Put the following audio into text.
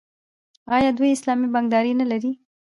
آیا دوی اسلامي بانکداري نلري؟